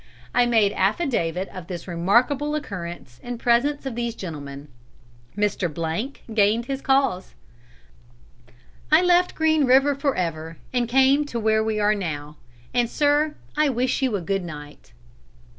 I made affidavit of this remarkable occurrence in presence of these gentlemen. Mr. gained his cause. I left Green River for ever, and came to where we are now; and, sir, I wish you a good night."